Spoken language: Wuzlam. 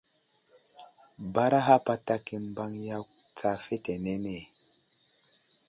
Baraha patak i mbaŋ yakw tsa fetenene.